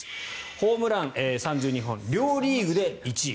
ホームラン３２本両リーグで１位。